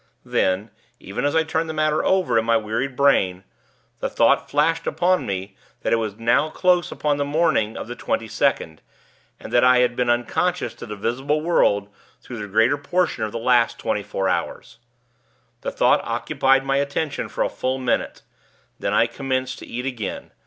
Then, even as I turned the matter over in my wearied brain, the thought flashed upon me that it was now close upon the morning of the twenty second, and that I had been unconscious to the visible world through the greater portion of the last twenty four hours. The thought occupied my attention for a full minute; then I commenced to eat again.